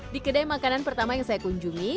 di kedai makanan pertama yang saya kunjungi